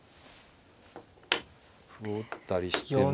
歩を打ったりしても。